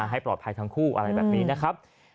ให้ปลอดภัยทั้งคู่อะไรแบบนี้นะครับ